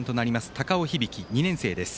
高尾響、２年生です。